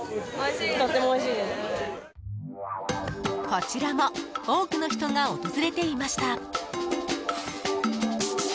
こちらも多くの人が訪れていました。